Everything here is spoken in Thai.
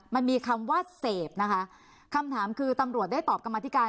มันมีคำว่าเสพนะคะคำถามคือตำรวจได้ตอบกรรมธิการ